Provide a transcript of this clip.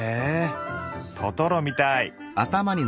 トトロみたい。